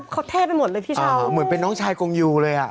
เขาเท่ไปหมดเลยพี่ชายเหมือนเป็นน้องชายกงยูเลยอ่ะ